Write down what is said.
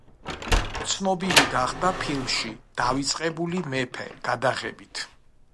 ცნობილი გახდა ფილმში „დავიწყებული მეფე“ გადაღებით.